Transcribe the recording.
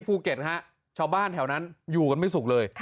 ภูเก็ตฮะชาวบ้านแถวนั้นอยู่กันไม่สุขเลย